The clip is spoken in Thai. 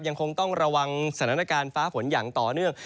ยังคงต้องระวังสถานการณ์ฟ้าฝนอย่างต่อเนื่อง